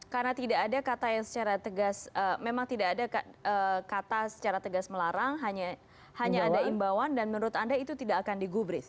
karena tidak ada kata yang secara tegas memang tidak ada kata secara tegas melarang hanya ada imbauan dan menurut anda itu tidak akan digubris